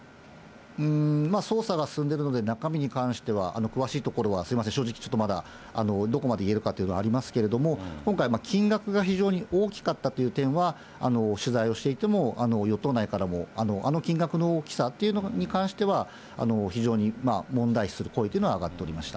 捜査が進んでるので、中身に関しては、詳しいところはすみません、正直、ちょっとまだどこまで言えるかっていうのはありますけど、今回、金額が非常に大きかったという点は、取材をしていても、与党内からも、あの金額の大きさっていうのに関しては、非常に問題視する声というのは上がっておりました。